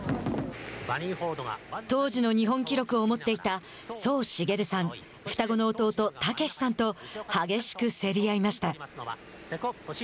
当時の日本記録を持っていた宗茂さんの双子の弟、猛さんと激しく競り合いました。